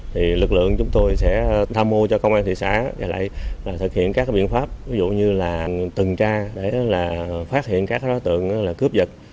thì lực lượng chúng tôi sẽ tham mô cho công an thị xã và lại thực hiện các biện pháp ví dụ như là từng tra để phát hiện các đối tượng cướp giật